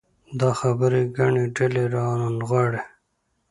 دا خبرې ګڼې ډلې راونغاړي.